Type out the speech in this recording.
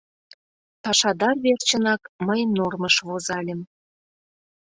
Пашадар верчынак мый нормыш возальым.